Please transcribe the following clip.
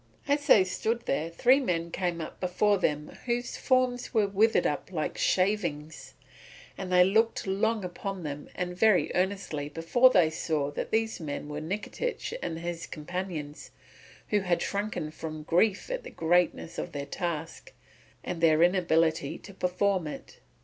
As they stood there, three men came before them whose forms were withered up like shavings; and they looked long upon them and very earnestly before they saw that these men were Nikitich and his companions, who had shrunken from grief at the greatness of their task and their inability to perform it.